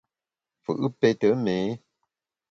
Fù’ pète méé.